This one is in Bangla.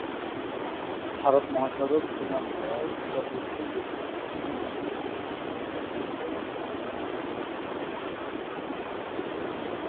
ভারত মহাসাগর সুমাত্রার উত্তর-পশ্চিম, দক্ষিণ-পশ্চিম ও সমগ্র পশ্চিমাঞ্চল ঘিরে রেখেছে।